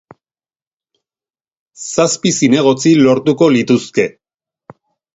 Zazpi zinegotzi lortuko lituzke.